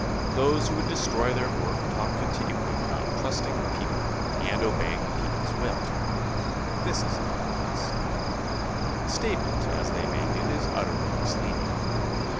Those who would destroy their work talk continually about trusting the people and obeying the people's will. But this is not what they seek. The statement, as they make it, is utterly misleading.